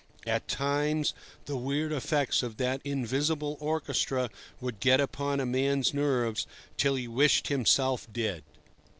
At times the weird effects of that invisible orchestra would get upon a man's nerves till he wished himself deaf.